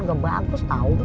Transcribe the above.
gak bagus tau